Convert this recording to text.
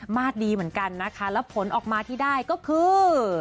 มาตรดีเหมือนกันนะคะแล้วผลออกมาที่ได้ก็คือ